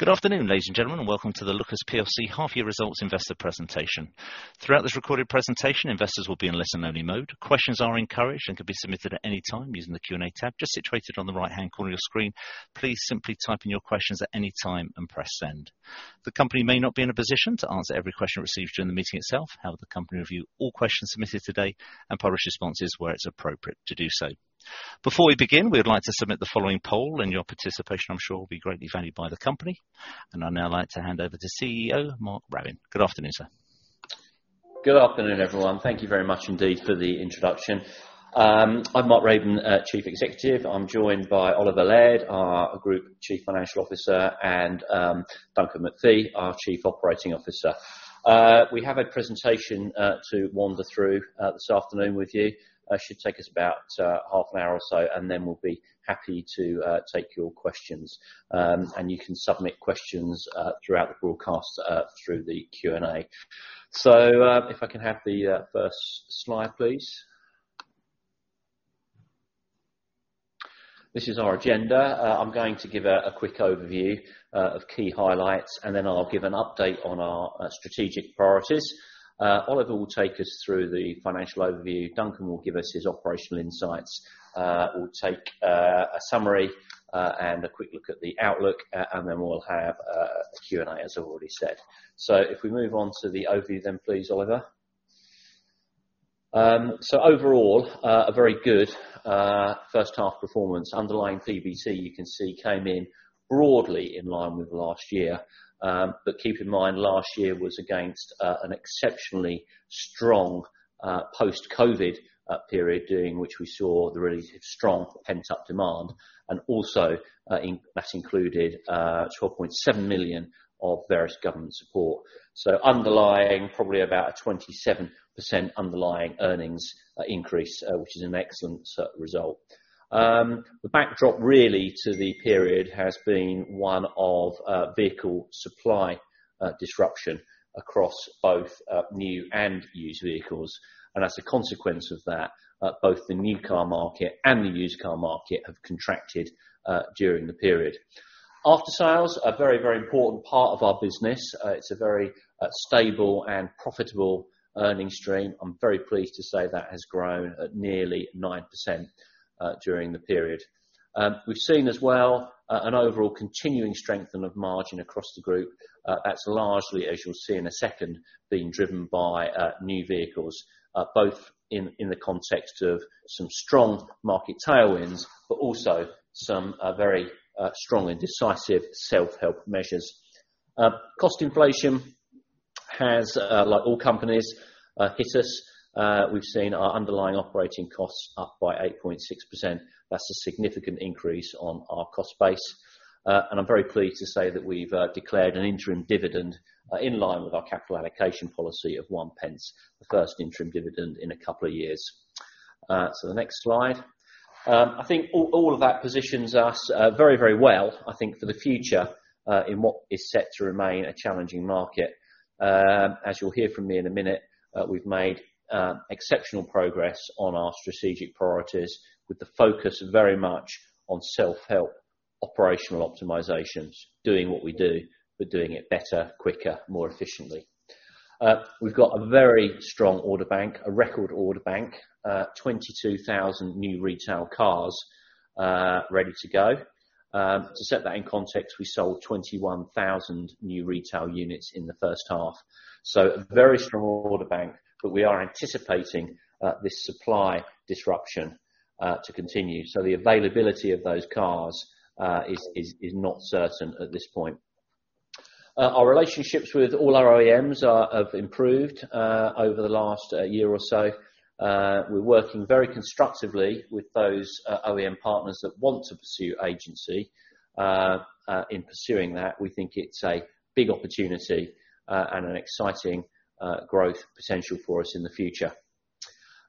Good afternoon, ladies and gentlemen, and welcome to the Lookers plc half year results investor presentation. Throughout this recorded presentation, investors will be in listen-only mode. Questions are encouraged and can be submitted at any time using the Q&A tab just situated on the right-hand corner of your screen. Please simply type in your questions at any time and press send. The company may not be in a position to answer every question received during the meeting itself, however, the company review all questions submitted today and publish responses where it's appropriate to do so. Before we begin, we would like to submit the following poll, and your participation, I'm sure, will be greatly valued by the company. I'd now like to hand over to CEO Mark Raban. Good afternoon, sir. Good afternoon, everyone. Thank you very much indeed for the introduction. I'm Mark Raban, Chief Executive. I'm joined by Oliver Laird, our Group Chief Financial Officer, and Duncan McPhee, our Chief Operating Officer. We have a presentation to wander through this afternoon with you. It should take us about half an hour or so, and then we'll be happy to take your questions. You can submit questions throughout the broadcast through the Q&A. If I can have the first slide, please. This is our agenda. I'm going to give a quick overview of key highlights, and then I'll give an update on our strategic priorities. Oliver will take us through the financial overview. Duncan will give us his operational insights. We'll take a summary and a quick look at the outlook and then we'll have a Q&A, as I've already said. If we move on to the overview then please, Oliver. Overall, a very good first half performance. Underlying PBT, you can see, came in broadly in line with last year. Keep in mind, last year was against an exceptionally strong post-COVID period, during which we saw the really strong pent-up demand and also that included 12.7 million of various government support. Underlying probably about a 27% underlying earnings increase, which is an excellent result. The backdrop really to the period has been one of vehicle supply disruption across both new and used vehicles. As a consequence of that, both the new car market and the used car market have contracted during the period. Aftersales, a very, very important part of our business, it's a very stable and profitable earnings stream. I'm very pleased to say that has grown at nearly 9% during the period. We've seen as well an overall continuing strengthening of margin across the group. That's largely, as you'll see in a second, being driven by new vehicles both in the context of some strong market tailwinds, but also some very strong and decisive self-help measures. Cost inflation has, like all companies, hit us. We've seen our underlying operating costs up by 8.6%. That's a significant increase on our cost base. I'm very pleased to say that we've declared an interim dividend in line with our capital allocation policy of 1, the first interim dividend in a couple of years. The next slide. I think all of that positions us very well, I think for the future in what is set to remain a challenging market. As you'll hear from me in a minute, we've made exceptional progress on our strategic priorities, with the focus very much on self-help operational optimizations, doing what we do but doing it better, quicker, more efficiently. We've got a very strong order bank, a record order bank, 22,000 new retail cars ready to go. To set that in context, we sold 21,000 new retail units in the first half. A very strong order bank, but we are anticipating this supply disruption to continue. The availability of those cars is not certain at this point. Our relationships with all our OEMs have improved over the last year or so. We're working very constructively with those OEM partners that want to pursue agency. In pursuing that, we think it's a big opportunity and an exciting growth potential for us in the future.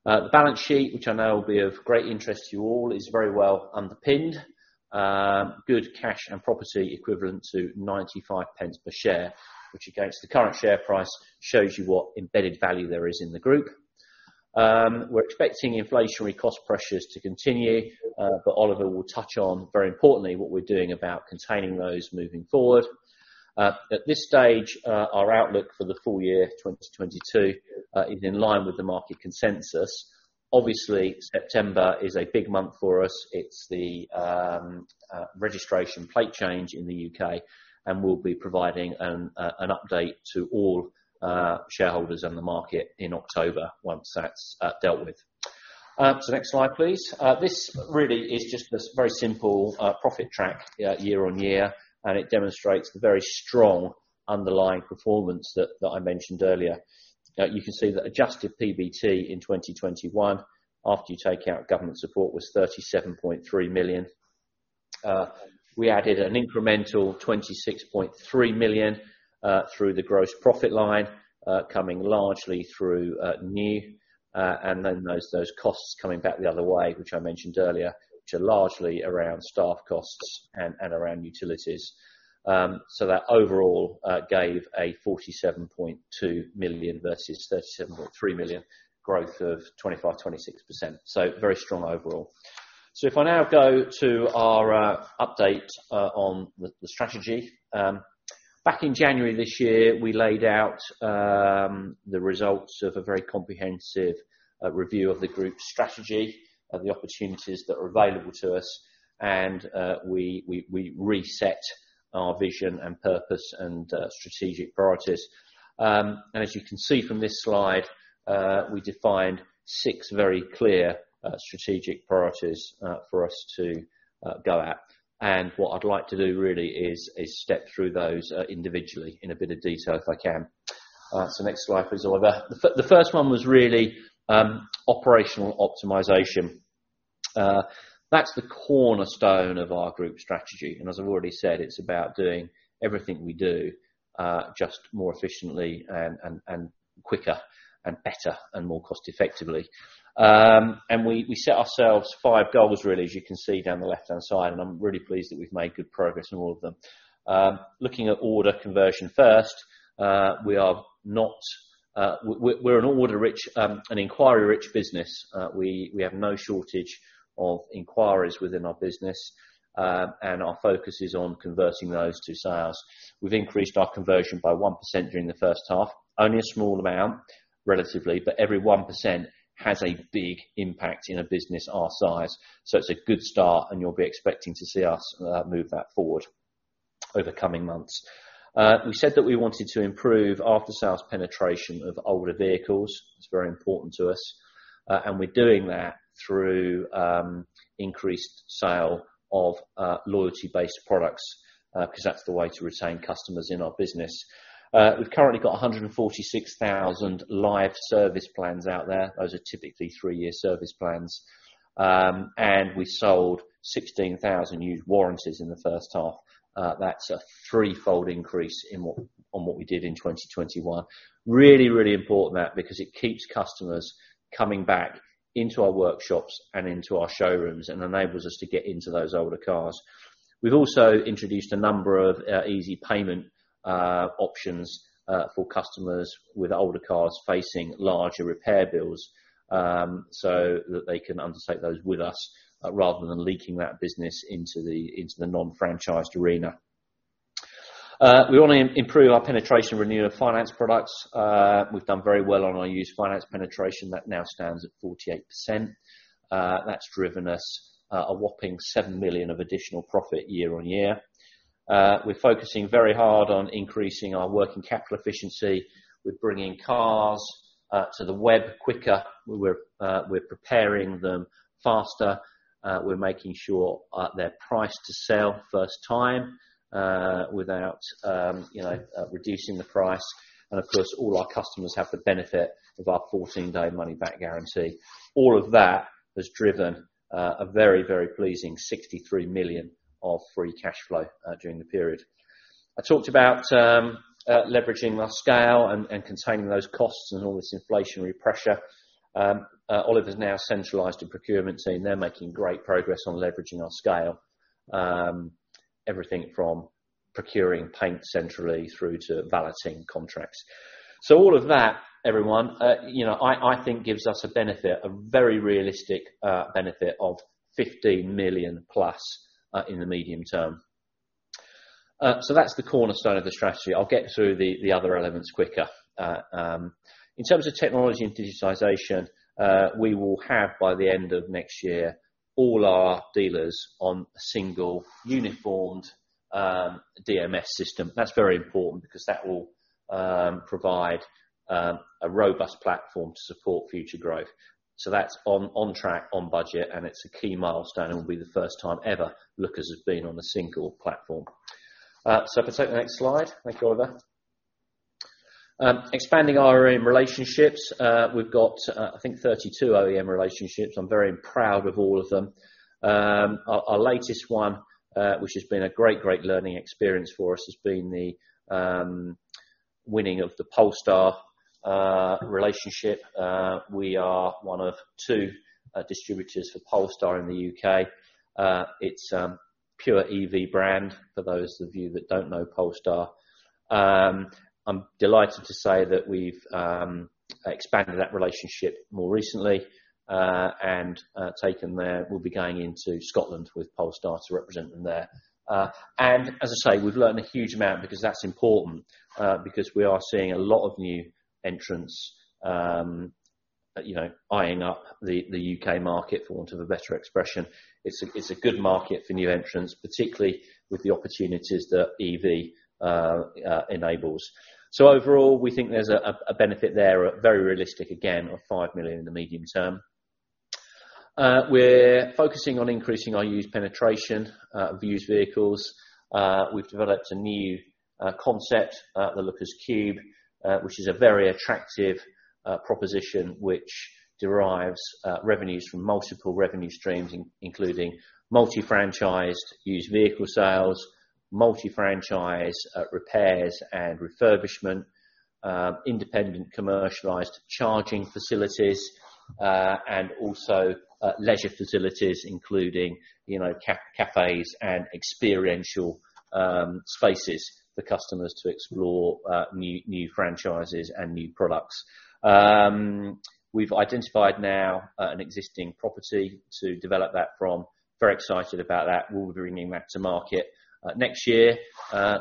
The balance sheet, which I know will be of great interest to you all, is very well underpinned. Good cash and property equivalent to 0.95 per share, which against the current share price, shows you what embedded value there is in the group. We're expecting inflationary cost pressures to continue, but Oliver will touch on, very importantly, what we're doing about containing those moving forward. At this stage, our outlook for the full year, 2022, is in line with the market consensus. Obviously, September is a big month for us. It's the registration plate change in the U.K., and we'll be providing an update to all shareholders and the market in October once that's dealt with. To the next slide, please. This really is just this very simple profit track year on year, and it demonstrates the very strong underlying performance that I mentioned earlier. You can see that adjusted PBT in 2021, after you take out government support, was 37.3 million. We added an incremental 26.3 million through the gross profit line, coming largely through new and then those costs coming back the other way, which I mentioned earlier, which are largely around staff costs and around utilities. So that overall gave a 47.2 million versus 37.3 million growth of 25-26%. Very strong overall. If I now go to our update on the strategy. Back in January this year, we laid out the results of a very comprehensive review of the group strategy of the opportunities that are available to us, and we reset our vision and purpose and strategic priorities. As you can see from this slide, we defined six very clear strategic priorities for us to go at. What I'd like to do really is step through those individually in a bit of detail, if I can. Next slide please, Oliver. The first one was really operational optimization. That's the cornerstone of our group strategy. As I've already said, it's about doing everything we do just more efficiently and quicker and better and more cost effectively. We set ourselves five goals really, as you can see down the left-hand side, and I'm really pleased that we've made good progress on all of them. Looking at order conversion first, we're an order rich, an inquiry rich business. We have no shortage of inquiries within our business, and our focus is on converting those to sales. We've increased our conversion by 1% during the first half, only a small amount relatively, but every 1% has a big impact in a business our size. It's a good start and you'll be expecting to see us move that forward over coming months. We said that we wanted to improve after-sales penetration of older vehicles. It's very important to us, and we're doing that through increased sale of loyalty-based products, 'cause that's the way to retain customers in our business. We've currently got 146,000 live service plans out there, those are typically three-year service plans. We sold 16,000 used warranties in the first half. That's a threefold increase on what we did in 2021. Really important that, because it keeps customers coming back into our workshops and into our showrooms and enables us to get into those older cars. We've also introduced a number of easy payment options for customers with older cars facing larger repair bills, so that they can undertake those with us rather than leaking that business into the non-franchised arena. We wanna improve our penetration and renewal of finance products. We've done very well on our used finance penetration, that now stands at 48%. That's driven us a whopping 7 million of additional profit year-over-year. We're focusing very hard on increasing our working capital efficiency. We're bringing cars to the web quicker. We're preparing them faster. We're making sure they're priced to sell first time without you know reducing the price. Of course, all our customers have the benefit of our 14-day money-back guarantee. All of that has driven a very pleasing 63 million of free cash flow during the period. I talked about leveraging our scale and containing those costs and all this inflationary pressure. Oliver's now centralized a procurement team. They're making great progress on leveraging our scale. Everything from procuring paint centrally through to balloting contracts. All of that, everyone, you know, I think gives us a benefit, a very realistic benefit of 15 million plus in the medium term. That's the cornerstone of the strategy. I'll get through the other elements quicker. In terms of technology and digitization, we will have by the end of next year all our dealers on a single unified DMS system. That's very important because that will provide a robust platform to support future growth. That's on track, on budget, and it's a key milestone, and will be the first time ever Lookers has been on a single platform. If I take the next slide. Thank you, Oliver. Expanding OEM relationships. We've got, I think, 32 OEM relationships. I'm very proud of all of them. Our latest one, which has been a great learning experience for us, has been the winning of the Polestar relationship. We are one of two distributors for Polestar in the UK. It's a pure EV brand for those of you that don't know Polestar. I'm delighted to say that we've expanded that relationship more recently and we'll be going into Scotland with Polestar to represent them there. And as I say, we've learned a huge amount because that's important because we are seeing a lot of new entrants, you know, eyeing up the UK market, for want of a better expression. It's a good market for new entrants, particularly with the opportunities that EV enables. So overall, we think there's a benefit there, very realistic again, of 5 million in the medium term. We're focusing on increasing our used penetration of used vehicles. We've developed a new concept, the Lookers Cube, which is a very attractive proposition which derives revenues from multiple revenue streams including multi-franchised used vehicle sales, multi-franchise repairs and refurbishment, independent commercialized charging facilities, and also leisure facilities including, you know, cafes and experiential spaces for customers to explore new franchises and new products. We've identified now an existing property to develop that from. Very excited about that. We'll be bringing that to market next year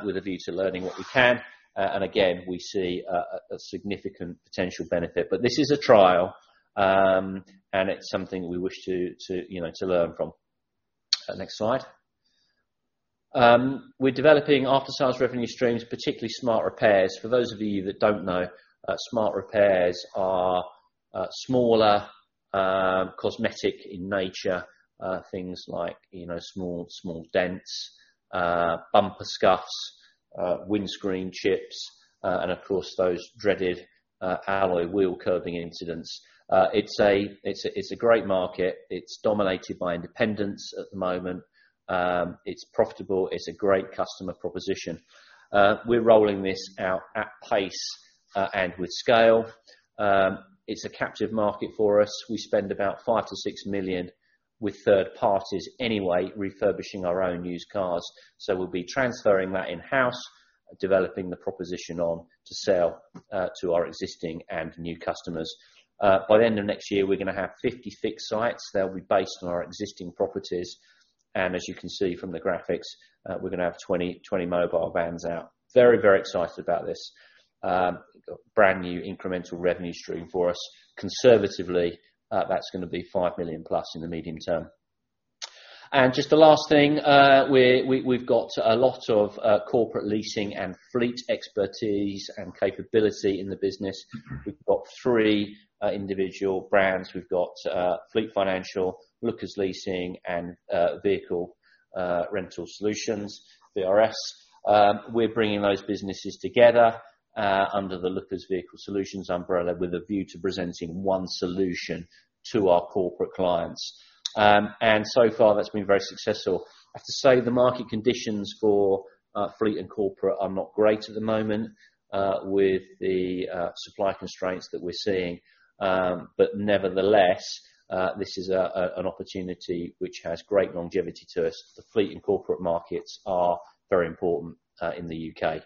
with a view to learning what we can, and again, we see a significant potential benefit. This is a trial, and it's something we wish to you know to learn from. Next slide. We're developing aftersales revenue streams, particularly smart repairs. For those of you that don't know, smart repairs are smaller, cosmetic in nature, things like, you know, small dents, bumper scuffs, windscreen chips, and of course, those dreaded, alloy wheel curbing incidents. It's a great market. It's dominated by independents at the moment. It's profitable. It's a great customer proposition. We're rolling this out at pace, and with scale. It's a captive market for us. We spend about 5-6 million with third parties anyway, refurbishing our own used cars. We'll be transferring that in-house, developing the proposition on to sale, to our existing and new customers. By the end of next year, we're gonna have 56 sites. They'll be based on our existing properties. As you can see from the graphics, we're gonna have 20 mobile vans out. Very excited about this. Brand new incremental revenue stream for us. Conservatively, that's gonna be 5 million plus in the medium term. Just the last thing, we've got a lot of corporate leasing and fleet expertise and capability in the business. We've got three individual brands. We've got Fleet Financial, Lookers Leasing and Vehicle Rental Solutions, VRS. We're bringing those businesses together under the Lookers Vehicle Solutions umbrella with a view to presenting one solution to our corporate clients. So far, that's been very successful. I have to say, the market conditions for fleet and corporate are not great at the moment with the supply constraints that we're seeing. Nevertheless, this is an opportunity which has great longevity to us. The fleet and corporate markets are very important in the UK.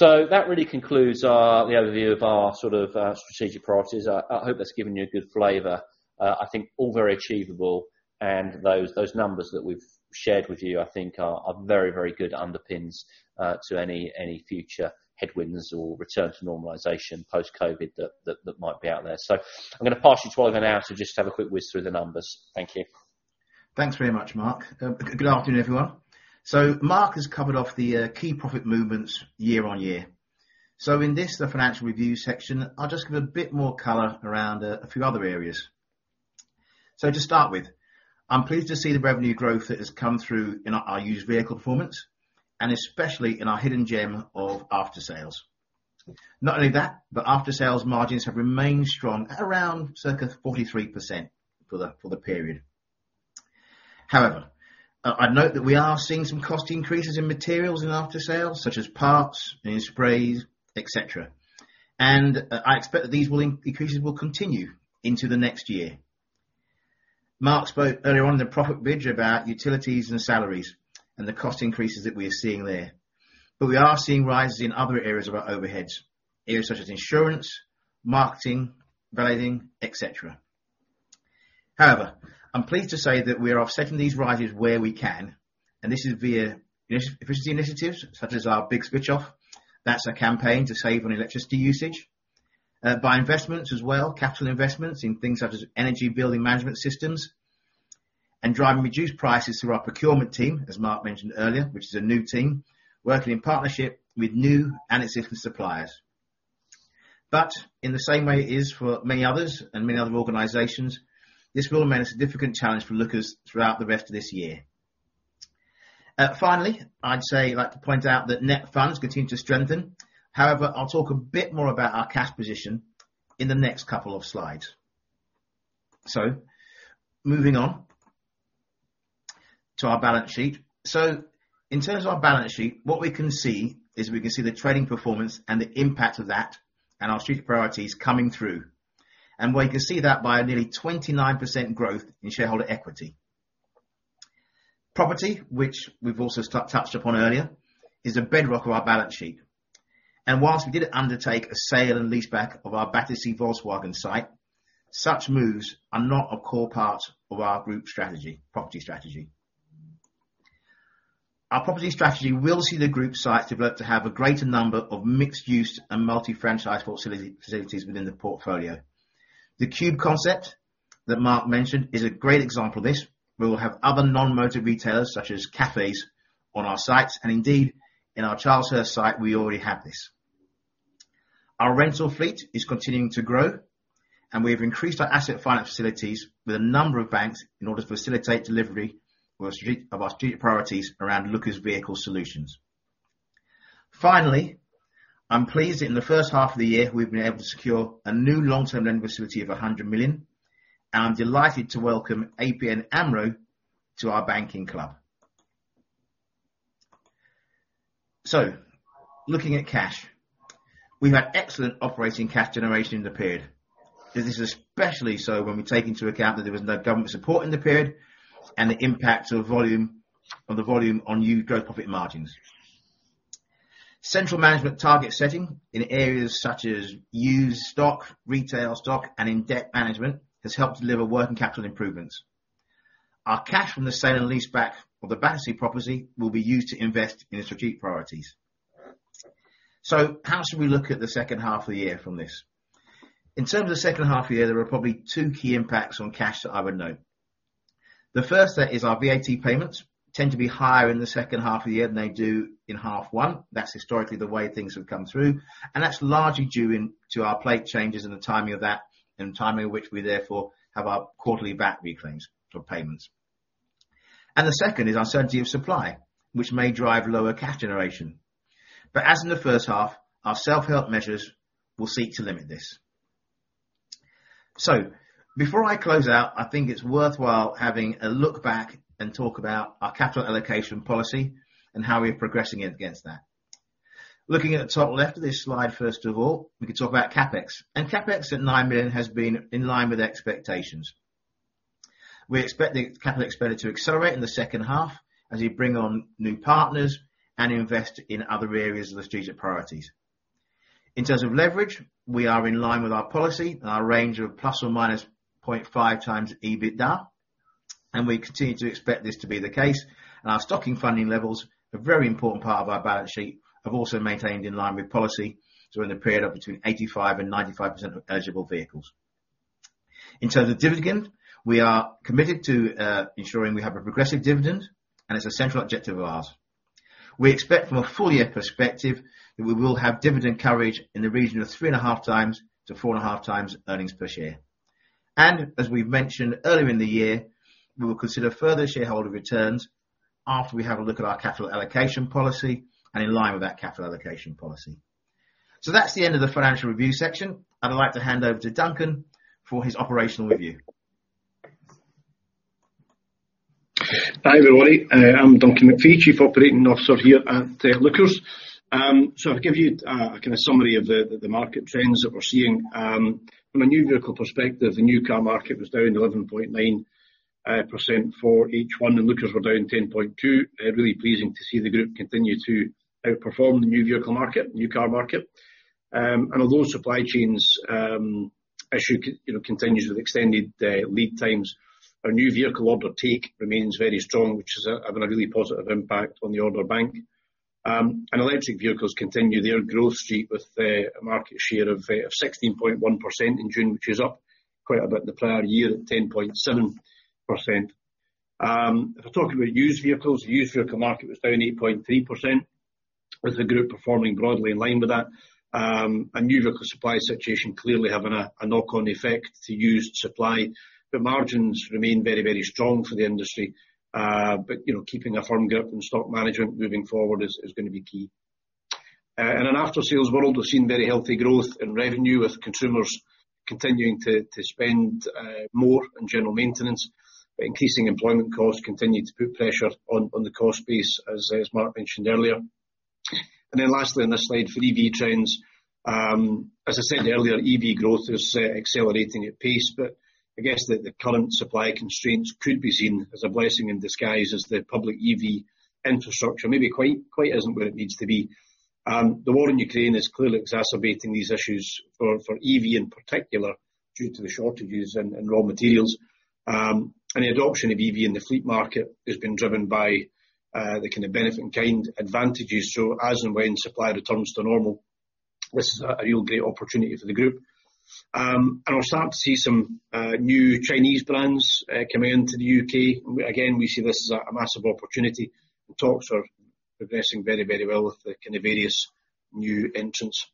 That really concludes the overview of our sort of strategic priorities. I hope that's given you a good flavor. I think all very achievable, and those numbers that we've shared with you, I think are very good underpins to any future headwinds or return to normalization post-COVID that might be out there. I'm gonna pass you to Oliver Laird now to just have a quick whiz through the numbers. Thank you. Thanks very much, Mark. Good afternoon, everyone. Mark has covered off the key profit movements year-over-year. In this, the financial review section, I'll just give a bit more color around a few other areas. To start with, I'm pleased to see the revenue growth that has come through in our used vehicle performance, and especially in our hidden gem of aftersales. Not only that, but aftersales margins have remained strong at around circa 43% for the period. However, I note that we are seeing some cost increases in materials in aftersales, such as parts, in sprays, et cetera. I expect that these increases will continue into the next year. Mark spoke earlier on in the profit bridge about utilities and salaries and the cost increases that we are seeing there. We are seeing rises in other areas of our overheads, areas such as insurance, marketing, valeting, et cetera. However, I'm pleased to say that we are offsetting these rises where we can, and this is via efficiency initiatives such as our Big Switch Off. That's a campaign to save on electricity usage. By investments as well, capital investments in things such as energy building management systems, and driving reduced prices through our procurement team, as Mark mentioned earlier, which is a new team working in partnership with new and existing suppliers. In the same way it is for many others and many other organizations, this will remain a significant challenge for Lookers throughout the rest of this year. Finally, I'd like to point out that net funds continue to strengthen. However, I'll talk a bit more about our cash position in the next couple of slides. Moving on to our balance sheet. In terms of our balance sheet, what we can see is, we can see the trading performance and the impact of that and our strategic priorities coming through. Where you can see that by a nearly 29% growth in shareholder equity. Property, which we've also touched upon earlier, is a bedrock of our balance sheet. While we did undertake a sale and leaseback of our Battersea Volkswagen site, such moves are not a core part of our group strategy, property strategy. Our property strategy will see the group sites develop to have a greater number of mixed use and multi-franchise facilities within the portfolio. The Cube concept that Mark mentioned is a great example of this, where we'll have other non-motor retailers such as cafes on our sites, and indeed in our Chalfont site, we already have this. Our rental fleet is continuing to grow, and we've increased our asset finance facilities with a number of banks in order to facilitate delivery of our strategic priorities around Lookers Vehicle Solutions. Finally, I'm pleased that in the first half of the year, we've been able to secure a new long-term lender facility of 100 million, and I'm delighted to welcome ABN AMRO to our banking club. Looking at cash, we've had excellent operating cash generation in the period. This is especially so when we take into account that there was no government support in the period and the impact of volume, of the volume on used gross profit margins. Central management target setting in areas such as used stock, retail stock, and in debt management has helped deliver working capital improvements. Our cash from the sale and leaseback of the Battersea property will be used to invest in the strategic priorities. How should we look at the second half of the year from this? In terms of the second half of the year, there are probably two key impacts on cash that I would note. The first set is our VAT payments tend to be higher in the second half of the year than they do in half one. That's historically the way things have come through, and that's largely due to our plate changes and the timing of that and the timing of which we therefore have our quarterly VAT reclaimings or payments. The second is uncertainty of supply, which may drive lower cash generation. As in the first half, our self-help measures will seek to limit this. Before I close out, I think it's worthwhile having a look back and talk about our capital allocation policy and how we're progressing it against that. Looking at the top left of this slide, first of all, we can talk about CapEx. CapEx at 9 million has been in line with expectations. We expect the capital expenditure to accelerate in the second half as we bring on new partners and invest in other areas of the strategic priorities. In terms of leverage, we are in line with our policy in our range of ±0.5 times EBITDA, and we continue to expect this to be the case. Our stocking funding levels, a very important part of our balance sheet, have also maintained in line with policy during the period of between 85% and 95% of eligible vehicles. In terms of dividend, we are committed to ensuring we have a progressive dividend, and it's a central objective of ours. We expect from a full year perspective, that we will have dividend coverage in the region of 3.5x-4.5x earnings per share. As we've mentioned earlier in the year, we will consider further shareholder returns after we have a look at our capital allocation policy and in line with that capital allocation policy. That's the end of the financial review section. I'd like to hand over to Duncan for his operational review. Hi, everybody. I'm Duncan McPhee, Chief Operating Officer here at Lookers. I'll give you a kinda summary of the market trends that we're seeing. From a new vehicle perspective, the new car market was down 11.9% for H1, and Lookers were down 10.2. Really pleasing to see the group continue to outperform the new vehicle market, new car market. Although supply chain issues continue with extended lead times, our new vehicle order intake remains very strong, which is having a really positive impact on the order bank. Electric vehicles continue their growth streak with a market share of 16.1% in June, which is up quite a bit from the prior year at 10.7%. If we're talking about used vehicles, the used vehicle market was down 8.3%, with the group performing broadly in line with that. New vehicle supply situation clearly having a knock-on effect to used supply, but margins remain very, very strong for the industry. You know, keeping a firm grip in stock management moving forward is gonna be key. In an after-sales world, we've seen very healthy growth in revenue, with consumers continuing to spend more in general maintenance, but increasing employment costs continue to put pressure on the cost base, as Mark mentioned earlier. Lastly on this slide for EV trends, as I said earlier, EV growth is accelerating at pace. I guess that the current supply constraints could be seen as a blessing in disguise as the public EV infrastructure maybe quite isn't where it needs to be. The war in Ukraine is clearly exacerbating these issues for EV in particular due to the shortages in raw materials. The adoption of EV in the fleet market is being driven by the kind of benefit and kind advantages. As and when supply returns to normal, this is a real great opportunity for the group. We're starting to see some new Chinese brands coming into the UK. Again, we see this as a massive opportunity. Talks are progressing very well with the kind of various new entrants.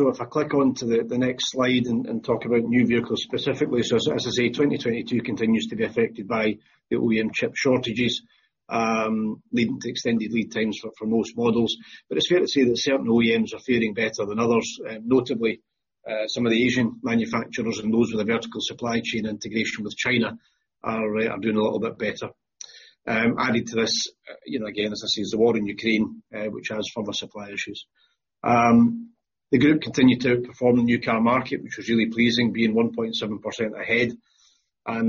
If I click onto the next slide and talk about new vehicles specifically. 2022 continues to be affected by the OEM chip shortages, leading to extended lead times for most models. It's fair to say that certain OEMs are faring better than others. Notably, some of the Asian manufacturers and those with a vertical supply chain integration with China are doing a little bit better. Added to this is the war in Ukraine, which adds further supply issues. The group continued to outperform the new car market, which was really pleasing, being 1.7% ahead. Our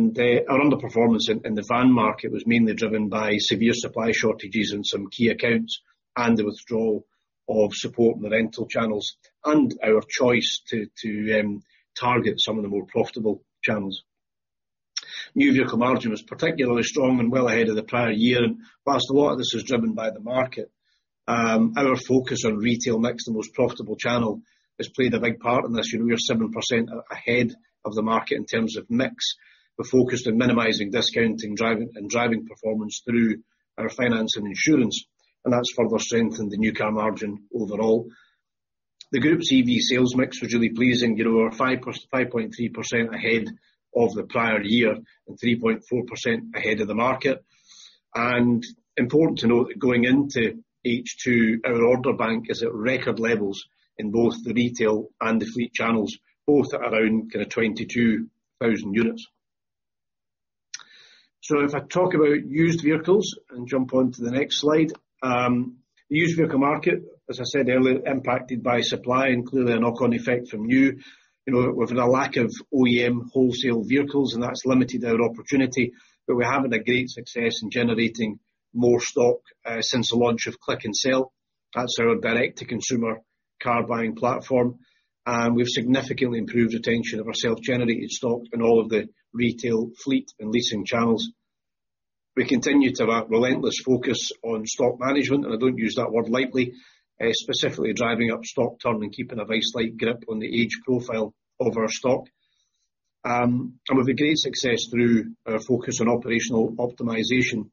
underperformance in the van market was mainly driven by severe supply shortages in some key accounts and the withdrawal of support in the rental channels and our choice to target some of the more profitable channels. New vehicle margin was particularly strong and well ahead of the prior year. Whilst a lot of this is driven by the market, our focus on retail mix, the most profitable channel, has played a big part in this. You know, we are 7% ahead of the market in terms of mix. We're focused on minimizing discounting, driving performance through our finance and insurance, and that's why we strengthened the new car margin overall. The group's EV sales mix was really pleasing. You know, we're 5.3% ahead of the prior year and 3.4% ahead of the market. Important to note going into H2, our order bank is at record levels in both the retail and the fleet channels, both at around kinda 22,000 units. If I talk about used vehicles and jump onto the next slide. The used vehicle market, as I said earlier, impacted by supply and clearly a knock-on effect from new. You know, we've had a lack of OEM wholesale vehicles, and that's limited our opportunity. We're having a great success in generating more stock, since the launch of Click & Sell. That's our direct-to-consumer car buying platform. We've significantly improved retention of our self-generated stock in all of the retail fleet and leasing channels. We continue to have a relentless focus on stock management, and I don't use that word lightly, specifically driving up stock turn and keeping a vice-like grip on the age profile of our stock. With a great success through our focus on operational optimization,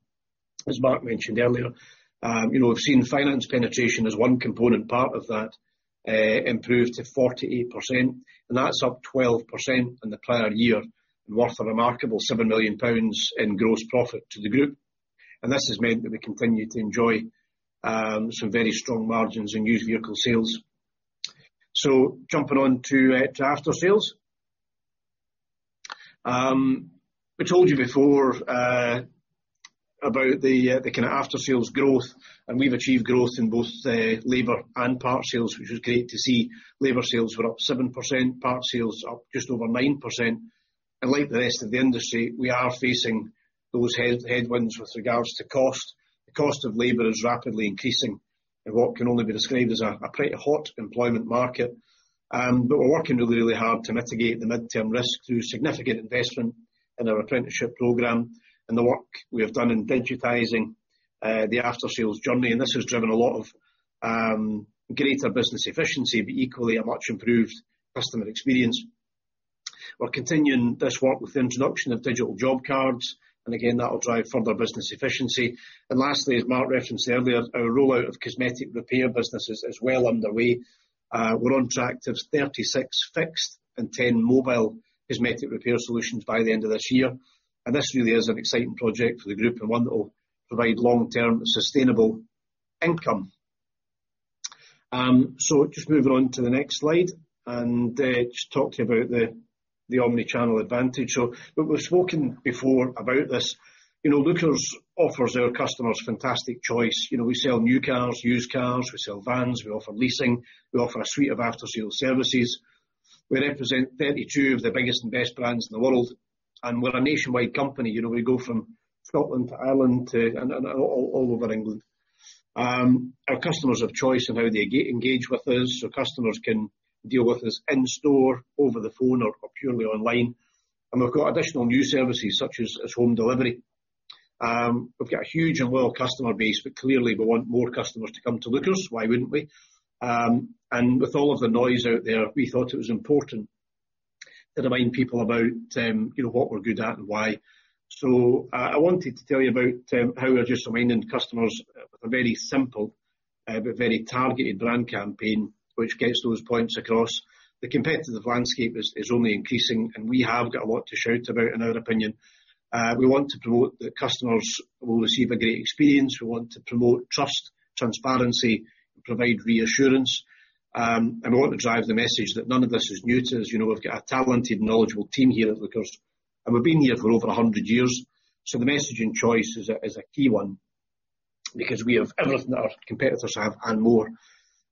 as Mark mentioned earlier. You know, we've seen finance penetration as one component part of that, improve to 48%, and that's up 12% in the prior year and worth a remarkable 7 million pounds in gross profit to the group. This has meant that we continue to enjoy some very strong margins in used vehicle sales. Jumping on to aftersales. We told you before about the kinda aftersales growth, and we've achieved growth in both labor and part sales, which was great to see. Labor sales were up 7%, part sales up just over 9%. Like the rest of the industry, we are facing those headwinds with regards to cost. The cost of labor is rapidly increasing in what can only be described as a pretty hot employment market. We're working really, really hard to mitigate the midterm risk through significant investment in our apprenticeship program and the work we have done in digitizing the aftersales journey. This has driven a lot of greater business efficiency, but equally a much improved customer experience. We're continuing this work with the introduction of digital job cards, and again, that will drive further business efficiency. Lastly, as Mark referenced earlier, our rollout of cosmetic repair businesses is well underway. We're on track to have 36 fixed and 10 mobile cosmetic repair solutions by the end of this year. This really is an exciting project for the group and one that will provide long-term sustainable income. Just moving on to the next slide and just talk to you about the omni-channel advantage. Look, we've spoken before about this. You know, Lookers offers our customers fantastic choice. You know, we sell new cars, used cars, we sell vans, we offer leasing, we offer a suite of aftersales services. We represent 32 of the biggest and best brands in the world, and we're a nationwide company. You know, we go from Scotland to Ireland and all over England. Our customers have choice in how they engage with us, so customers can deal with us in store, over the phone or purely online. We've got additional new services such as home delivery. We've got a huge and loyal customer base, but clearly we want more customers to come to Lookers. Why wouldn't we? With all of the noise out there, we thought it was important to remind people about you know what we're good at and why. I wanted to tell you about how we're just reminding customers with a very simple but very targeted brand campaign, which gets those points across. The competitive landscape is only increasing, and we have got a lot to shout about in our opinion. We want to promote that customers will receive a great experience. We want to promote trust, transparency, provide reassurance. We want to drive the message that none of this is new to us. You know, we've got a talented and knowledgeable team here at Lookers, and we've been here for over a hundred years. The message in choice is a key one because we have everything our competitors have and more.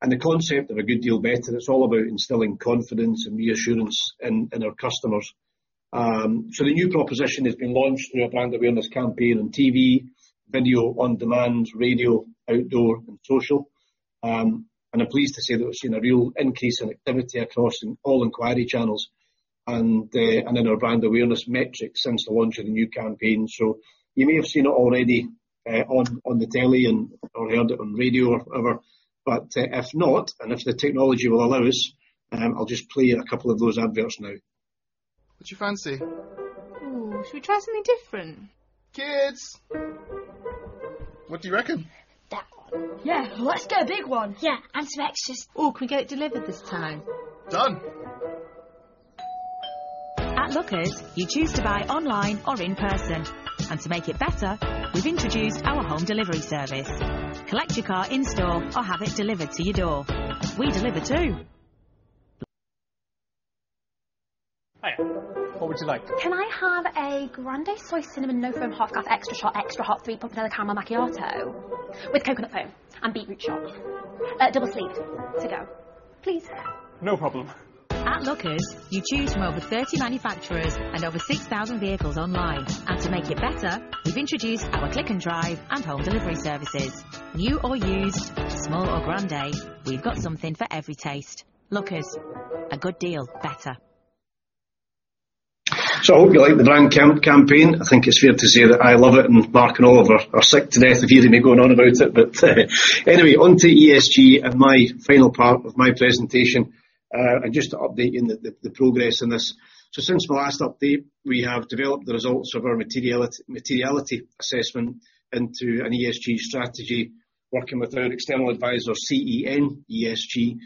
The concept of a good deal better, it's all about instilling confidence and reassurance in our customers. The new proposition has been launched through a brand awareness campaign on TV, video-on-demand, radio, outdoor, and social. I'm pleased to say that we've seen a real increase in activity across all inquiry channels and in our brand awareness metrics since the launch of the new campaign. You may have seen it already, on the telly and/or heard it on radio or whatever. If not, and if the technology will allow us, I'll just play you a couple of those adverts now. What do you fancy? Ooh, should we try something different? Kids. What do you reckon? That one. Yeah, let's get a big one. Yeah, and some extras. Ooh, can we get it delivered this time? Done. At Lookers, you choose to buy online or in person. To make it better, we've introduced our home delivery service. Collect your car in store or have it delivered to your door. We deliver too. Hiya. What would you like? Can I have a grande soy cinnamon, no foam, half caf, extra shot, extra hot, three pump vanilla caramel macchiato with coconut foam and beetroot shot. Double sleeved to go, please. No problem. At Lookers, you choose from over 30 manufacturers and over 6,000 vehicles online. To make it better, we've introduced our Click & Drive and home delivery services. New or used, small or grand, we've got something for every taste. Lookers, a good deal better. I hope you like the brand campaign. I think it's fair to say that I love it, and Mark and Oliver are sick to death of hearing me going on about it. Anyway, on to ESG and my final part of my presentation, and just to update you on the progress in this. Since my last update, we have developed the results of our materiality assessment into an ESG strategy, working with our external advisor, CEN-ESG.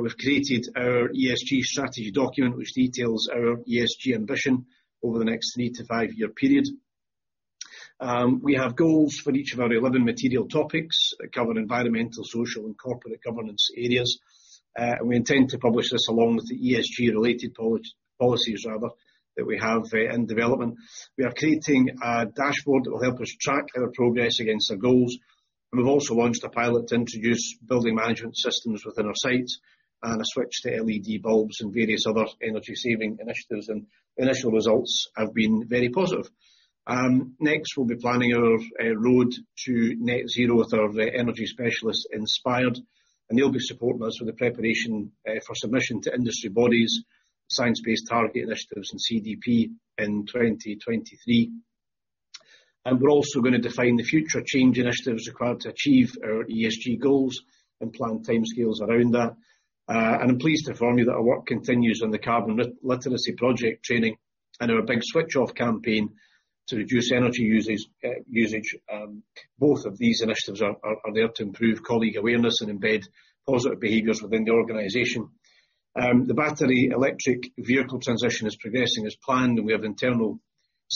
We've created our ESG strategy document, which details our ESG ambition over the next three-five-year period. We have goals for each of our 11 material topics that cover environmental, social, and corporate governance areas. We intend to publish this along with the ESG-related policies rather that we have in development. We are creating a dashboard that will help us track our progress against our goals, and we've also launched a pilot to introduce building management systems within our sites and a switch to LED bulbs and various other energy saving initiatives. The initial results have been very positive. Next, we'll be planning our road to net zero with our energy specialists Inspired. They'll be supporting us with the preparation for submission to industry bodies, science-based target initiatives and CDP in 2023. We're also gonna define the future change initiatives required to achieve our ESG goals and plan timescales around that. I'm pleased to inform you that our work continues on the carbon literacy project training and our Big Switch Off campaign to reduce energy usage. Both of these initiatives are there to improve colleague awareness and embed positive behaviors within the organization. The battery electric vehicle transition is progressing as planned, and we have internal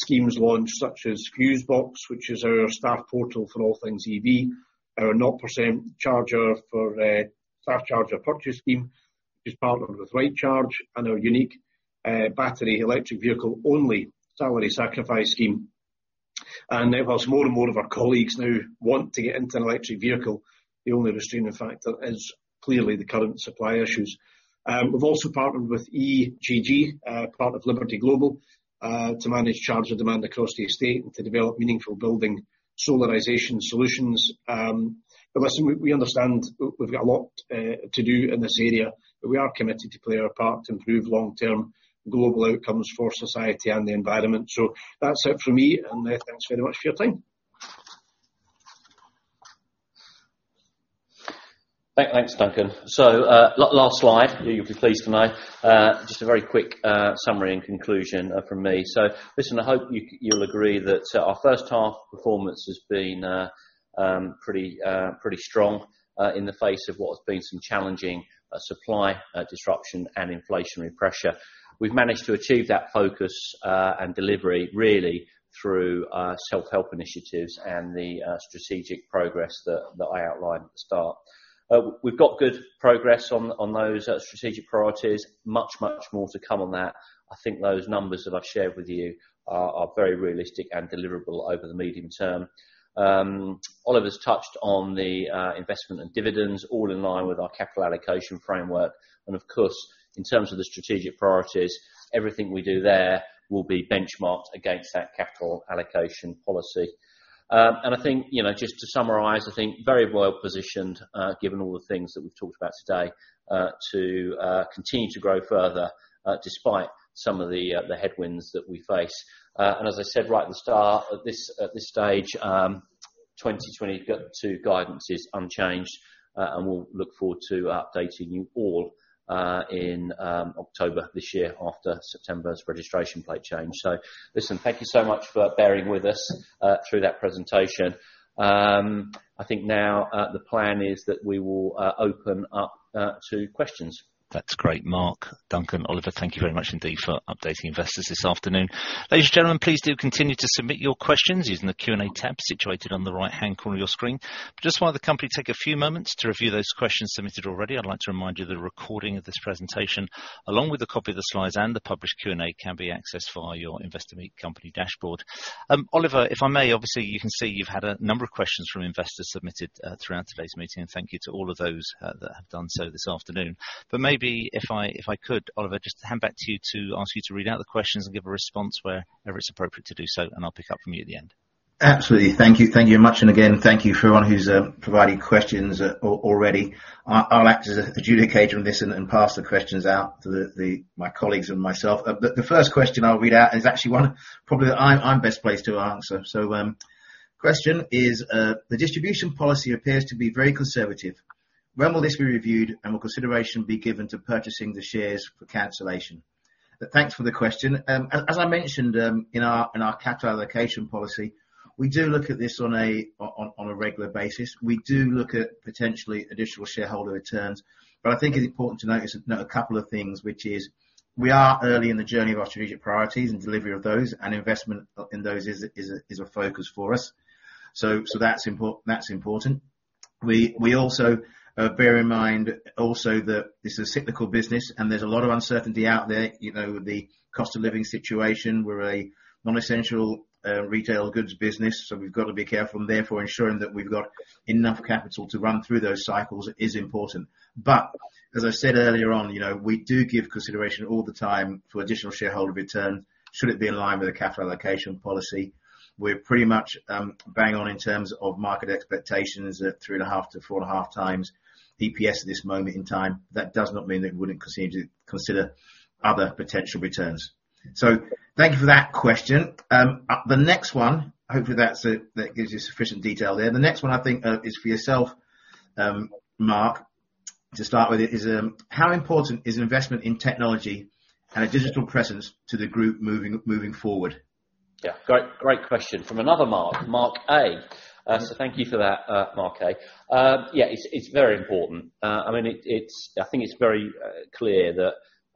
schemes launched, such as Fusebox, which is our staff portal for all things EV. Our [0%] charger for staff charger purchase scheme is partnered with Rightcharge and our unique battery electric vehicle-only salary sacrifice scheme. As more and more of our colleagues now want to get into an electric vehicle, the only restraining factor is clearly the current supply issues. We've also partnered with Egg, part of Liberty Global, to manage charger demand across the estate and to develop meaningful building solarization solutions. Listen, we understand, we've got a lot to do in this area, but we are committed to play our part to improve long-term global outcomes for society and the environment. That's it from me, and thanks very much for your time. Thanks, Duncan. Last slide, you'll be pleased to know. Just a very quick summary and conclusion from me. Listen, I hope you'll agree that our first-half performance has been pretty strong in the face of what has been some challenging supply disruption and inflationary pressure. We've managed to achieve that focus and delivery really through self-help initiatives and the strategic progress that I outlined at the start. We've got good progress on those strategic priorities. Much more to come on that. I think those numbers that I've shared with you are very realistic and deliverable over the medium term. Oliver's touched on the investment and dividends all in line with our capital allocation framework. Of course, in terms of the strategic priorities, everything we do there will be benchmarked against that capital allocation policy. I think just to summarize, I think very well positioned, given all the things that we've talked about today, to continue to grow further, despite some of the the headwinds that we face. As I said right at the start, at this stage, 2022 guidance is unchanged, and we'll look forward to updating you all, in October this year after September's registration plate change. Listen, thank you so much for bearing with us through that presentation. I think now the plan is that we will open up to questions. That's great. Mark, Duncan, Oliver, thank you very much indeed for updating investors this afternoon. Ladies and gentlemen, please do continue to submit your questions using the Q&A tab situated on the right-hand corner of your screen. Just while the company take a few moments to review those questions submitted already, I'd like to remind you the recording of this presentation, along with a copy of the slides and the published Q&A, can be accessed via your Investor Meet Company dashboard. Oliver, if I may, obviously, you can see you've had a number of questions from investors submitted throughout today's meeting, and thank you to all of those that have done so this afternoon. Maybe if I could, Oliver, just hand back to you to ask you to read out the questions and give a response wherever it's appropriate to do so, and I'll pick up from you at the end. Absolutely. Thank you. Thank you much. Again, thank you for everyone who's provided questions already. I'll act as an adjudicator on this and pass the questions out to my colleagues and myself. The first question I'll read out is actually one probably that I'm best placed to answer. Question is, "The distribution policy appears to be very conservative. When will this be reviewed, and will consideration be given to purchasing the shares for cancellation?" Thanks for the question. As I mentioned, in our capital allocation policy, we do look at this on a regular basis. We do look at potentially additional shareholder returns. I think it's important to note a couple of things, which is we are early in the journey of our strategic priorities and delivery of those, and investment in those is a focus for us. That's important. We also bear in mind also that this is a cyclical business and there's a lot of uncertainty out there, you know, with the cost of living situation. We're a non-essential retail goods business, so we've got to be careful, and therefore ensuring that we've got enough capital to run through those cycles is important. As I said earlier on, you know, we do give consideration all the time for additional shareholder return should it be in line with the capital allocation policy. We're pretty much bang on in terms of market expectations at three and half to four and half times EPS at this moment in time. That does not mean that we wouldn't continue to consider other potential returns. Thank you for that question. Hopefully that gives you sufficient detail there. The next one I think is for yourself, Mark, to start with. It is, "How important is investment in technology and a digital presence to the group moving forward?" Yeah. Great question from another Mark A. Thank you for that, Mark A. Yeah, it's very important. I mean, I think it's very clear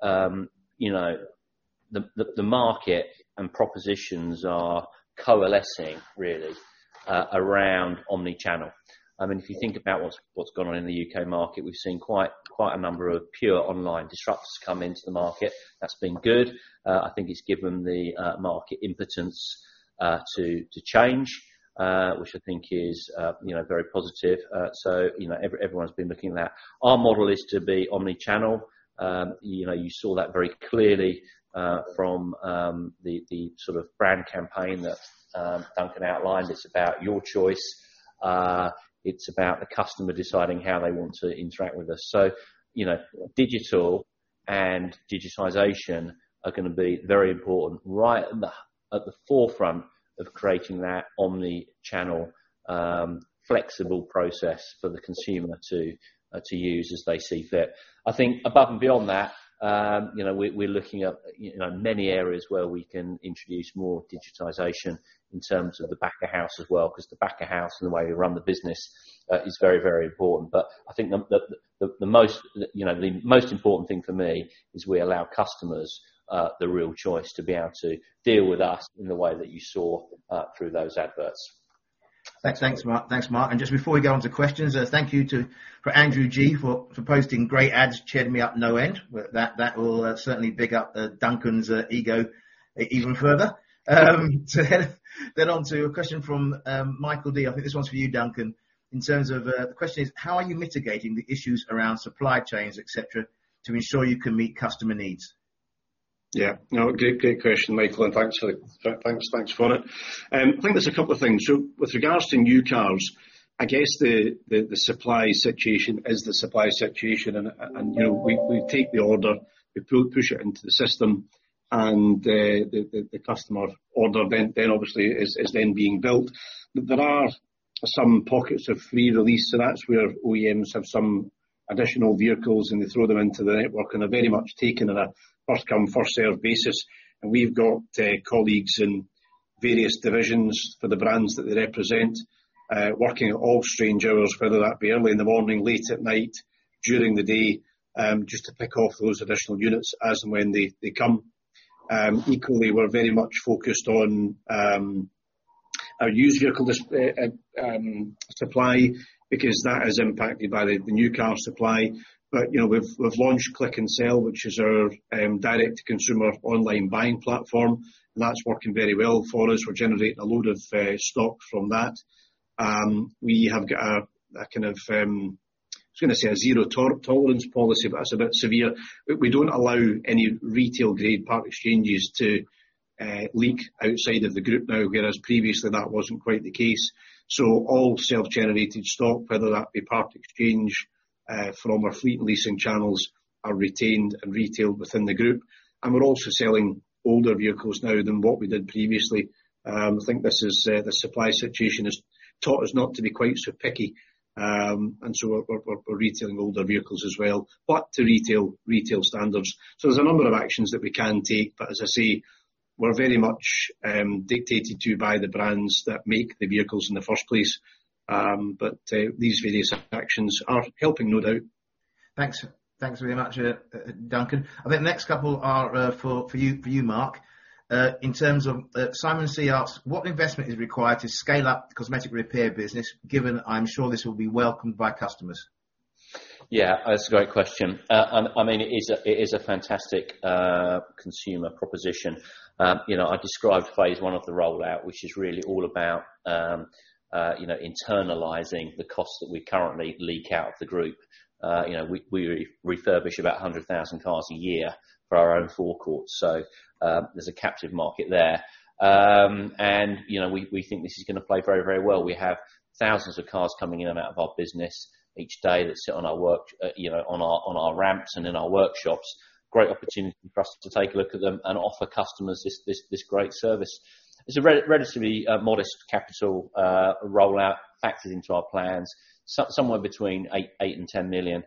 that, you know, the market and propositions are coalescing really around omni-channel. I mean, if you think about what's going on in the U.K. market, we've seen quite a number of pure online disruptors come into the market. That's been good. I think it's given the market impetus to change, which I think is, you know, very positive. You know, everyone's been looking at that. Our model is to be omni-channel. You know, you saw that very clearly from the sort of brand campaign that Duncan outlined. It's about your choice. It's about the customer deciding how they want to interact with us. You know, digital and digitization are gonna be very important, right at the forefront of creating that omni-channel, flexible process for the consumer to use as they see fit. I think above and beyond that, you know, we're looking at, you know, many areas where we can introduce more digitization in terms of the back of house as well, because the back of house and the way we run the business is very important. I think the most important thing for me is we allow customers the real choice to be able to deal with us in the way that you saw through those adverts. Thanks, Mark. Just before we go on to questions, thank you to Andrew G. for posting great ads, cheered me up no end. That will certainly big up Duncan's ego even further. On to a question from Michael D. I think this one's for you, Duncan, in terms of the question is, how are you mitigating the issues around supply chains, et cetera, to ensure you can meet customer needs? Yeah. No, great question, Michael, and thanks for it. I think there's a couple of things. With regards to new cars, I guess the supply situation is the supply situation, you know, we take the order, we push it into the system, and the customer order then obviously is then being built. There are some pockets of free release, so that's where OEMs have some additional vehicles, and they throw them into the network, and they're very much taken on a first come, first serve basis. We've got colleagues in various divisions for the brands that they represent, working at all strange hours, whether that be early in the morning, late at night, during the day, just to pick off those additional units as and when they come. Equally, we're very much focused on our used vehicle supply because that is impacted by the new car supply. You know, we've launched Click & Sell, which is our direct to consumer online buying platform, and that's working very well for us. We're generating a load of stock from that. We have got a kind of, I was gonna say a zero tolerance policy, but that's a bit severe. We don't allow any retail grade part exchanges to leak outside of the group now, whereas previously that wasn't quite the case. All self-generated stock, whether that be part exchange from our fleet and leasing channels, are retained and retailed within the group. We're also selling older vehicles now than what we did previously. I think this is the supply situation has taught us not to be quite so picky, and so we're retailing older vehicles as well, but to retail retail standards. There's a number of actions that we can take, but as I say, we're very much dictated to by the brands that make the vehicles in the first place. These various actions are helping, no doubt. Thanks. Thanks very much, Duncan. I think the next couple are for you, Mark. In terms of, Simon C. asks, "What investment is required to scale up the cosmetic repair business, given I'm sure this will be welcomed by customers? Yeah, that's a great question. I mean, it is a fantastic consumer proposition. You know, I described phase I of the rollout, which is really all about you know, internalizing the costs that we currently leak out of the group. You know, we refurbish about 100,000 cars a year for our own forecourts. There's a captive market there. You know, we think this is gonna play very, very well. We have thousands of cars coming in and out of our business each day that sit on our work you know, on our ramps and in our workshops. Great opportunity for us to take a look at them and offer customers this great service. It's a relatively modest CapEx rollout factored into our plans, somewhere between 8 million and 10 million,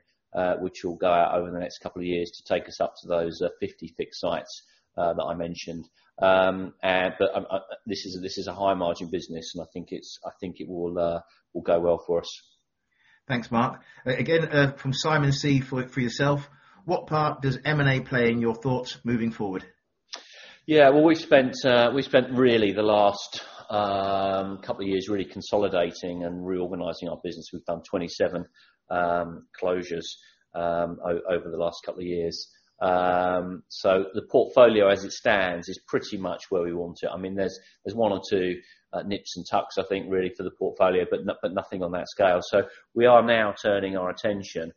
which will go out over the next couple of years to take us up to those 50 EV sites that I mentioned. This is a high-margin business, and I think it will go well for us. Thanks, Mark. Again, from Simon C. for yourself, what part does M&A play in your thoughts moving forward? Yeah. Well, we spent really the last couple of years really consolidating and reorganizing our business. We've done 27 closures over the last couple of years. The portfolio as it stands is pretty much where we want it. I mean, there's one or two nips and tucks, I think, really for the portfolio, but nothing on that scale. We are now turning our attention,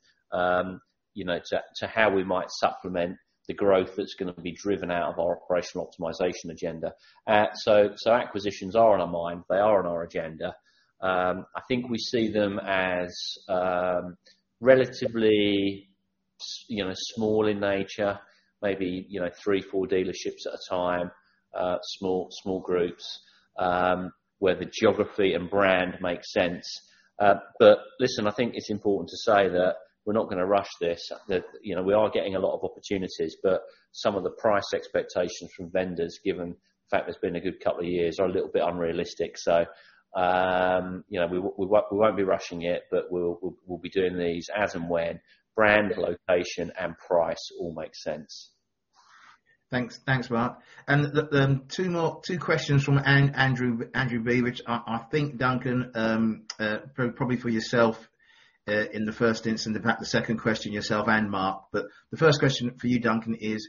you know, to how we might supplement the growth that's gonna be driven out of our operational optimization agenda. Acquisitions are on our mind. They are on our agenda. I think we see them as, you know, relatively small in nature, maybe, you know, three, four dealerships at a time, small groups, where the geography and brand makes sense. Listen, I think it's important to say that we're not gonna rush this. That, you know, we are getting a lot of opportunities, but some of the price expectations from vendors, given the fact that it's been a good couple of years, are a little bit unrealistic. You know, we won't be rushing it, but we'll be doing these as and when brand, location, and price all makes sense. Thanks. Thanks, Mark. Then two more questions from Andrew B, which I think Duncan probably for yourself in the first instance, and perhaps the second question yourself and Mark. The first question for you, Duncan, is: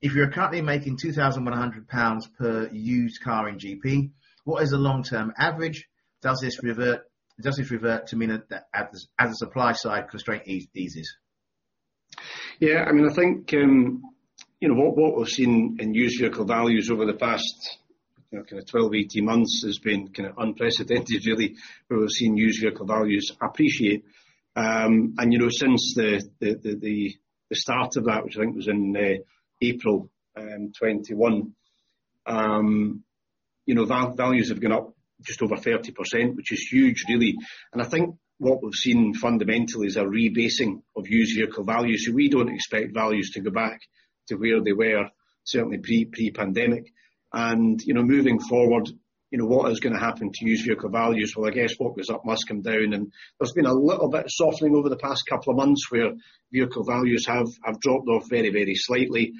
If you're currently making 2,100 pounds per used car in GP, what is the long-term average? Does this revert to the mean as the supply side constraint eases? Yeah, I mean, I think, you know, what we've seen in used vehicle values over the past, you know, kind of 12, 18 months has been kind of unprecedented really. Where we've seen used vehicle values appreciate. You know, since the start of that, which I think was in April 2021, you know, values have gone up just over 30%, which is huge, really. I think what we've seen fundamentally is a rebasing of used vehicle values. We don't expect values to go back to where they were certainly pre-pandemic. You know, moving forward, you know, what is gonna happen to used vehicle values? Well, I guess what goes up must come down, and there's been a little bit of softening over the past couple of months, where vehicle values have dropped off very slightly.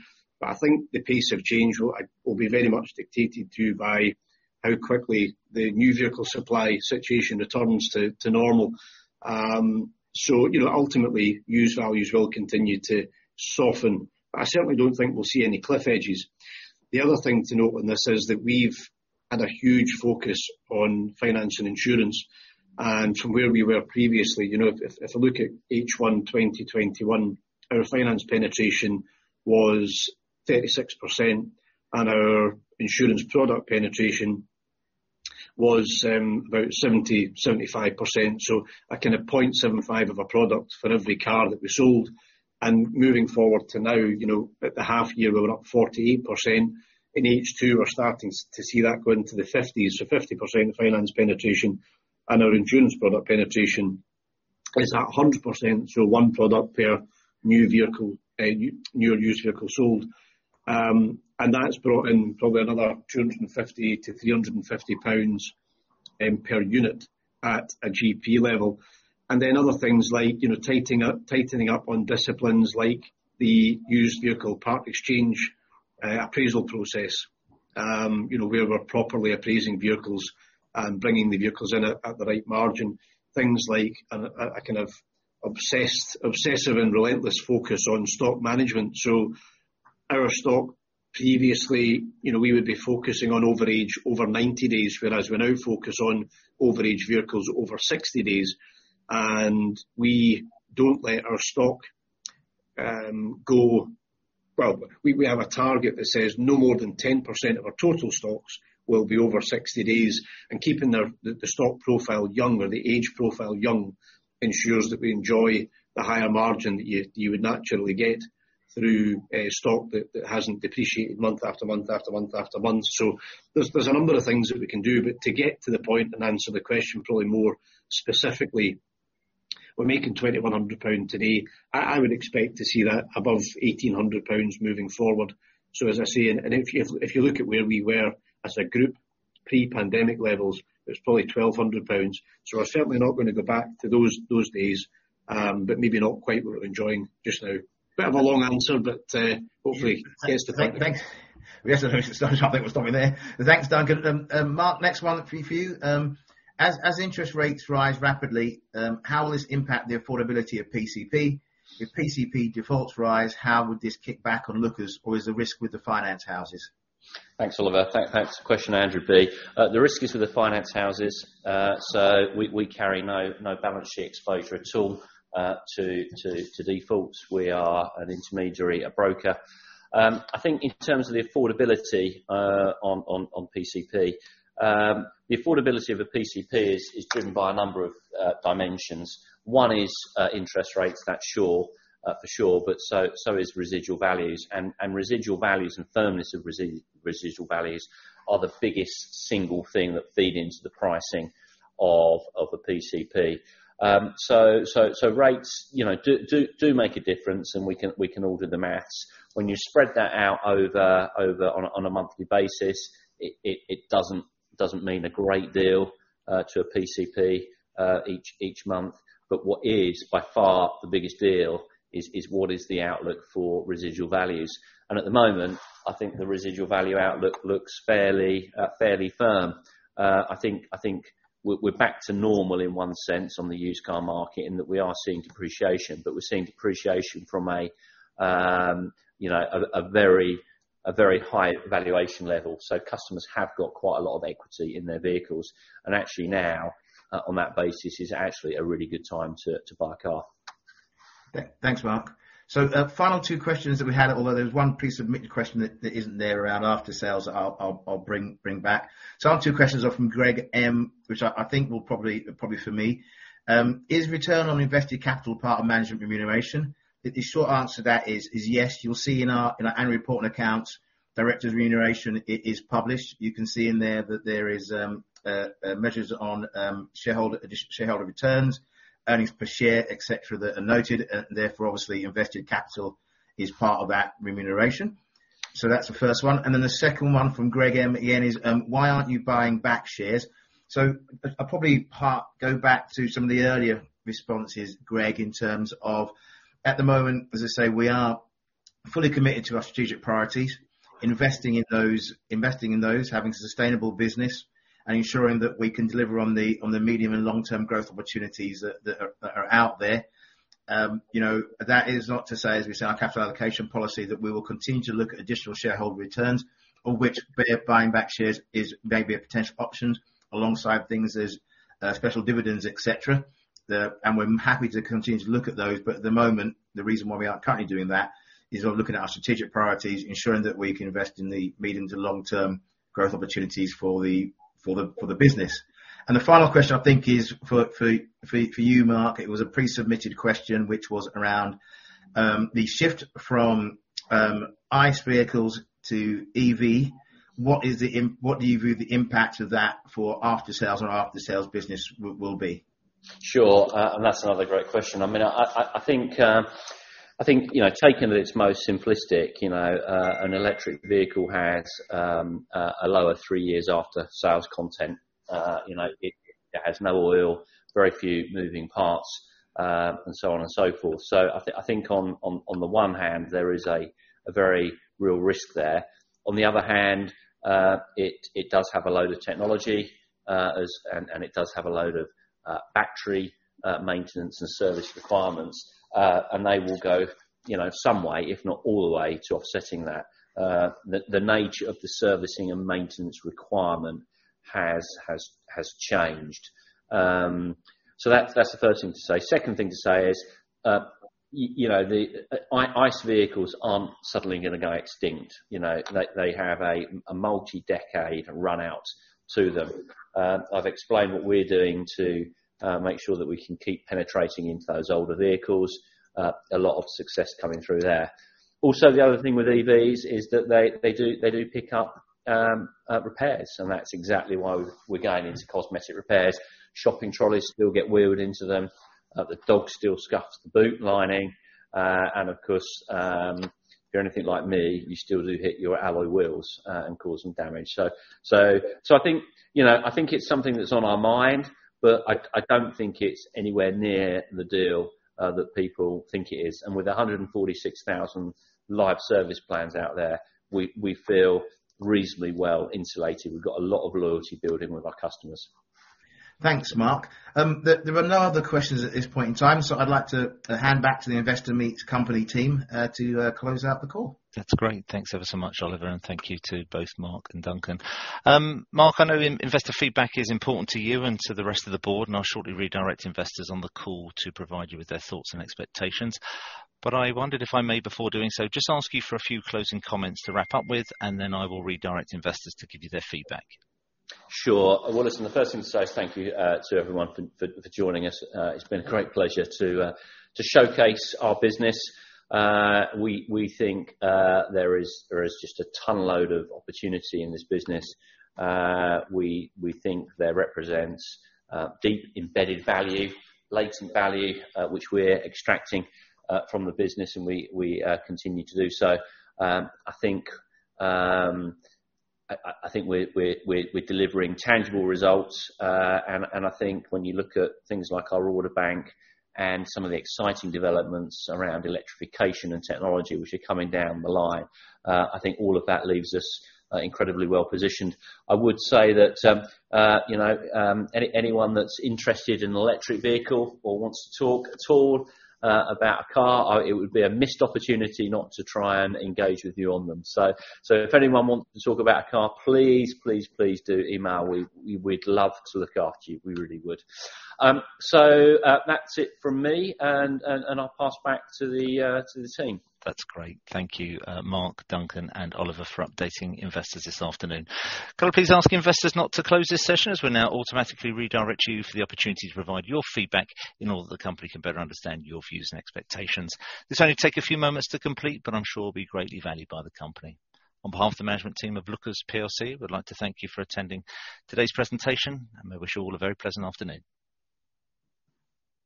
I think the pace of change will be very much dictated to by how quickly the new vehicle supply situation returns to normal. You know, ultimately, used values will continue to soften. I certainly don't think we'll see any cliff edges. The other thing to note on this is that we've had a huge focus on finance and insurance. From where we were previously, you know, if you look at H1 2021, our finance penetration was 36%, and our insurance product penetration was about 75%. A kind of 0.75 of a product for every car that we sold. Moving forward to now, at the half year, we were up 48%. In H2, we're starting to see that go into the 50s%. 50% finance penetration, and our insurance product penetration is at 100%, so one product per new or used vehicle sold. That's brought in probably another 250-350 pounds per unit at a GP level. Other things like tightening up on disciplines like the used vehicle part exchange appraisal process, where we're properly appraising vehicles and bringing the vehicles in at the right margin. Things like a kind of obsessive and relentless focus on stock management. Our stock previously, we would be focusing on overage over 90 days, whereas we now focus on overage vehicles over 60 days. We don't let our stock go. We have a target that says no more than 10% of our total stocks will be over 60 days. Keeping the stock profile younger, the age profile young ensures that we enjoy the higher margin that you would naturally get through stock that hasn't depreciated month after month after month after month. There's a number of things that we can do. To get to the point and answer the question probably more specifically, we're making 2,100 pounds today. I would expect to see that above 1,800 pounds moving forward. As I say, if you look at where we were as a group pre-pandemic levels, it was probably 1,200 pounds. We're certainly not gonna go back to those days, but maybe not quite what we're enjoying just now. Bit of a long answer, but hopefully hits the point. Thanks. Yes, I don't think we'll stop you there. Thanks, Duncan. Mark, next one for you. As interest rates rise rapidly, how will this impact the affordability of PCP? If PCP defaults rise, how would this kick back on Lookers, or is the risk with the finance houses? Thanks, Oliver. Thanks for the question, Andrew B. The risk is with the finance houses. We carry no balance sheet exposure at all to defaults. We are an intermediary, a broker. I think in terms of the affordability on PCP, the affordability of a PCP is driven by a number of dimensions. One is interest rates, that's sure, for sure, but so is residual values. Residual values and firmness of residual values are the biggest single thing that feed into the pricing of a PCP. Rates, you know, do make a difference, and we can all do the math. When you spread that out over on a monthly basis, it doesn't mean a great deal to a PCP each month. But what is by far the biggest deal is what is the outlook for residual values. At the moment, I think the residual value outlook looks fairly firm. I think we're back to normal in one sense on the used car market in that we are seeing depreciation, but we're seeing depreciation from a you know a very high valuation level. Customers have got quite a lot of equity in their vehicles. Actually now on that basis is actually a really good time to buy a car. Okay. Thanks, Mark. Final two questions that we had, although there's one piece of Mitch's question that isn't there around after sales. I'll bring back. Our two questions are from Greg M, which I think will probably for me. Is return on invested capital part of management remuneration? The short answer to that is yes. You'll see in our annual report and accounts. Director's remuneration is published. You can see in there that there is measures on shareholder returns, earnings per share, et cetera, that are noted. Therefore, obviously, invested capital is part of that remuneration. That's the first one. Then the second one from Greg M again is, why aren't you buying back shares? I'll probably start to go back to some of the earlier responses, Greg M, in terms of at the moment, as I say, we are fully committed to our strategic priorities, investing in those, having sustainable business and ensuring that we can deliver on the medium and long-term growth opportunities that are out there. You know, that is not to say, as we say, our capital allocation policy, that we will continue to look at additional shareholder returns or which buying back shares is maybe a potential option alongside things such as special dividends, et cetera. We're happy to continue to look at those, but at the moment, the reason why we aren't currently doing that is we're looking at our strategic priorities, ensuring that we can invest in the medium to long-term growth opportunities for the business. The final question I think is for you, Mark. It was a pre-submitted question which was around the shift from ICE vehicles to EV. What do you view the impact of that for aftersales on our aftersales business will be? Sure. That's another great question. I mean, I think, you know, taken at its most simplistic, you know, an electric vehicle has a lower three years after sales content. You know, it has no oil, very few moving parts, and so on and so forth. I think on the one hand, there is a very real risk there. On the other hand, it does have a load of technology, and it does have a load of battery maintenance and service requirements, and they will go, you know, some way, if not all the way to offsetting that. The nature of the servicing and maintenance requirement has changed. That's the first thing to say. Second thing to say is, you know, the ICE vehicles aren't suddenly gonna go extinct. You know, they have a multi-decade run out to them. I've explained what we're doing to make sure that we can keep penetrating into those older vehicles. A lot of success coming through there. Also, the other thing with EVs is that they do pick up repairs, and that's exactly why we're going into cosmetic repairs. Shopping trolleys still get wheeled into them. The dog still scuffs the boot lining. Of course, if you're anything like me, you still do hit your alloy wheels and cause some damage. I think, you know, I think it's something that's on our mind, but I don't think it's anywhere near the deal that people think it is. With 146,000 live service plans out there, we feel reasonably well insulated. We've got a lot of loyalty building with our customers. Thanks, Mark. There are no other questions at this point in time, so I'd like to hand back to the Investor Meet Company team to close out the call. That's great. Thanks ever so much, Oliver, and thank you to both Mark and Duncan. Mark, I know investor feedback is important to you and to the rest of the board, and I'll shortly redirect investors on the call to provide you with their thoughts and expectations. I wondered if I may before doing so, just ask you for a few closing comments to wrap up with, and then I will redirect investors to give you their feedback. Sure. Well, listen, the first thing to say is thank you to everyone for joining us. It's been a great pleasure to showcase our business. We think there is just a ton load of opportunity in this business. We think that represents deep embedded value, latent value, which we're extracting from the business, and we continue to do so. I think we're delivering tangible results. I think when you look at things like our order bank and some of the exciting developments around electrification and technology, which are coming down the line, I think all of that leaves us incredibly well positioned. I would say that, you know, anyone that's interested in an electric vehicle or wants to talk at all about a car, it would be a missed opportunity not to try and engage with you on them. If anyone wants to talk about a car, please do email. We'd love to look after you. We really would. That's it from me. I'll pass back to the team. That's great. Thank you, Mark, Duncan, and Oliver for updating investors this afternoon. Could I please ask investors not to close this session as we'll now automatically redirect you for the opportunity to provide your feedback in order that the company can better understand your views and expectations. This will only take a few moments to complete, but I'm sure will be greatly valued by the company. On behalf of the management team of Lookers plc, we'd like to thank you for attending today's presentation, and we wish you all a very pleasant afternoon.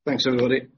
Thanks, everybody.